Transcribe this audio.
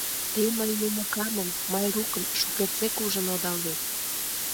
— Те мыйын уныкамым, Майрукым, шукертсек ужын одал вет...